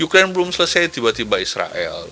ukraine belum selesai tiba tiba israel